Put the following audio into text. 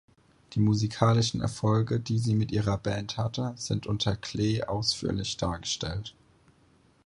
Die musikalischen Erfolge, die sie mit ihrer Band hatte, sind unter „Klee“ ausführlich dargestellt.